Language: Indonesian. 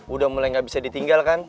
udah mulai gak bisa ditinggal kan